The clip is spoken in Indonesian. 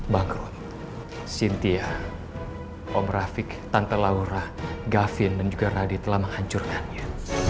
bang grun sintia om rafiq tante laura gavin dan juga radit telah menghancurkannya